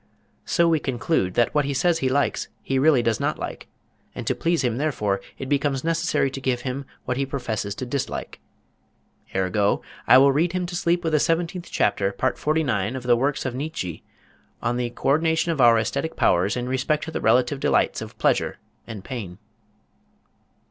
So we conclude that what he says he likes he really does not like, and to please him therefore, it becomes necessary to give him what he professes to dislike. Ergo, I will read him to sleep with the seventeenth chapter, part forty nine of the works of Niet Zhe on the co ordination of our æsthetic powers in respect to the relative delights of pleasure and pain.